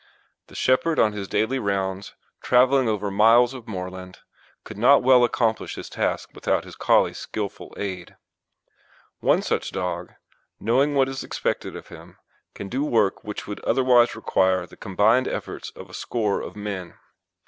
The shepherd on his daily rounds, travelling over miles of moorland, could not well accomplish his task without his Collie's skilful aid. One such dog, knowing what is expected of him, can do work which would otherwise require the combined efforts of a score of men.